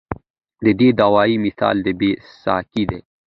د دې دوائي مثال د بې ساکۍ دے